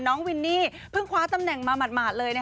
วินนี่เพิ่งคว้าตำแหน่งมาหมาดเลย